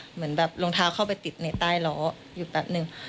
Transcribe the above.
เหมือนแบบรองเท้าเข้าไปติดในใต้ล้ออยู่แป๊บนึง